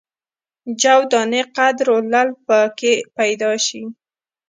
جو دانې قدر یو لعل په کې پیدا شي.